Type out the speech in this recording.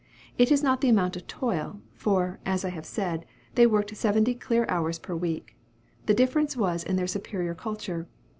It is not in the amount of toil; for, as I have said, they worked seventy clear hours per week. The difference was in their superior culture.